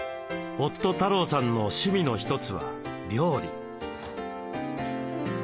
夫・太郎さんの趣味の一つは料理。